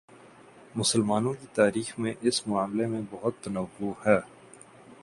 مسلمانوں کی تاریخ میں اس معاملے میں بہت تنوع ہے۔